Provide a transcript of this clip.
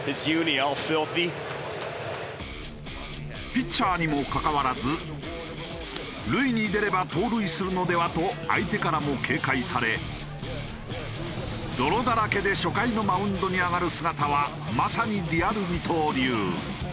ピッチャーにもかかわらず塁に出れば盗塁するのでは？と相手からも警戒され泥だらけで初回のマウンドに上がる姿はまさにリアル二刀流。